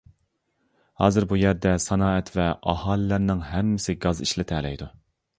ھازىر بۇ يەردە سانائەت ۋە ئاھالىلەرنىڭ ھەممىسى گاز ئىشلىتەلەيدۇ.